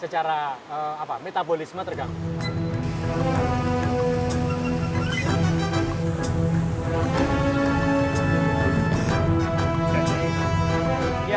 secara metabolisme terganggu